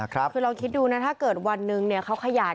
คือลองคิดดูนะถ้าเกิดวันหนึ่งเขาขยาย